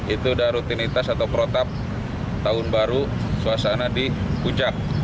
itu udah rutinitas atau protap tahun baru suasana di puncak